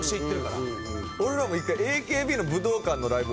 俺らも一回ＡＫＢの武道館のライブ